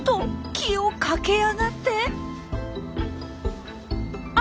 木を駆け上がってああ！